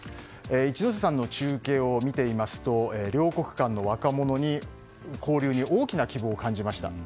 一之瀬さんの中継を見ていますと両国の若者の交流に大きな希望を感じました。